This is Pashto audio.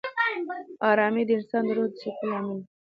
آرامي د انسان د روح د سکون لامل ده.